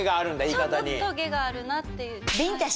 ちょっとトゲがあるなって。